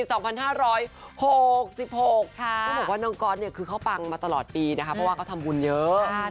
ต้องบอกว่าน้องก๊อตเนี่ยคือเขาปังมาตลอดปีนะคะเพราะว่าเขาทำบุญเยอะ